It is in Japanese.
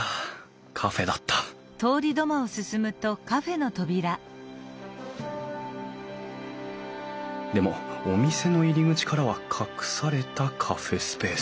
カフェだったでもお店の入り口からは隠されたカフェスペース。